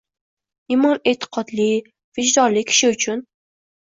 imon-e’tiqodli, vijdonli kishi uchun